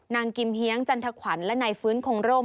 กิมเฮียงจันทขวัญและนายฟื้นคงร่ม